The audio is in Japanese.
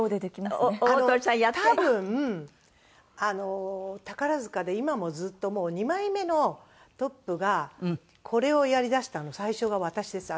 多分あの宝塚で今もずっともう二枚目のトップがこれをやりだしたの最初が私です。